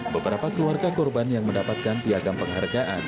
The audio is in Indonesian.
beberapa keluarga korban yang mendapatkan piagam penghargaan